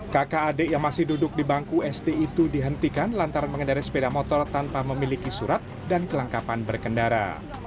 kakak adik yang masih duduk di bangku sd itu dihentikan lantaran mengendarai sepeda motor tanpa memiliki surat dan kelengkapan berkendara